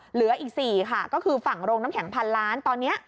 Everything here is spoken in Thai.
เหลืออีก๔ค่ะก็คือฝั่งโรงน้ำแข็งพันล้านตอนนี้